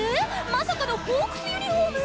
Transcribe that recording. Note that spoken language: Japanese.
まさかのホークスユニホーム。